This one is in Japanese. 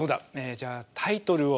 じゃあタイトルを。